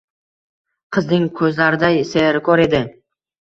Qizning ko’zlariday sehrkor edi.